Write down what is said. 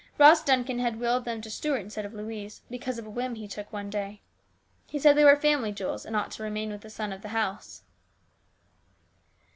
Ross Duncan had willed them to Stuart instead of Louise, because of a whim STEWARDSHIP. 293 he took one day. He said they were family jewels, and ought to remain with the son of the house.